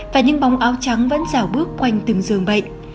và những bóng áo trắng vẫn rào bước quanh từng giường bệnh